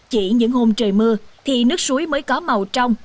hôm trời mưa thì nước suối mới có màu trong